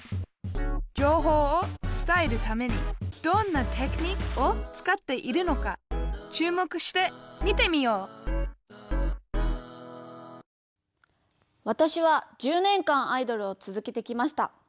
情報を伝えるためにどんなテクニックを使っているのか注目して見てみようわたしは１０年間アイドルを続けてきました。